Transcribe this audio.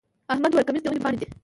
احمد وويل: کمیس د ونې پاڼې دی.